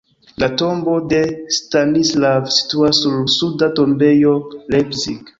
La tombo de Stanislav situas sur la suda tombejo Leipzig.